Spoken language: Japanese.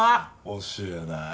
教えない。